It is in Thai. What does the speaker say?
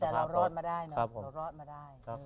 แต่เรารอดมาได้เนอะ